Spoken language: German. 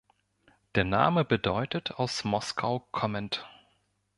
Der Name bedeutet „aus Moskau kommend“.